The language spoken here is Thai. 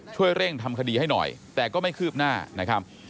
ช่วยเร่งทำคดีให้หน่อยแต่ก็ไม่คืบหน้า